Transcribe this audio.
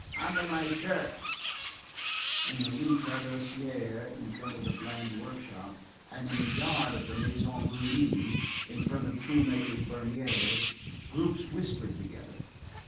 "Under my shirt." In the Rue Traversière, in front of the Bland workshop, and in the yard of the Maison Brulée, in front of tool maker Bernier's, groups whispered together.